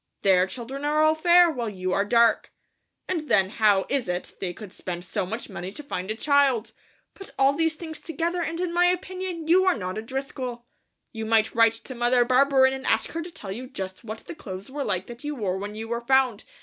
Their children are all fair, while you are dark. And then how is it they could spend so much money to find a child? Put all these things together and in my opinion you are not a Driscoll. You might write to Mother Barberin and ask her to tell you just what the clothes were like that you wore when you were found.